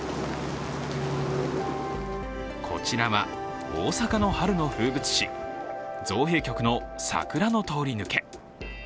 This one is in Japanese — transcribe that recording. こちらは大阪の春の風物詩、造幣局の桜の通り抜け。